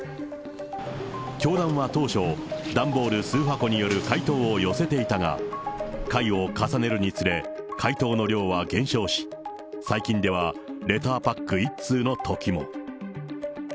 教団は当初、段ボール数箱による回答を寄せていたが、回を重ねるにつれ、回答の量は減少し、最近ではレターパック１通のときも。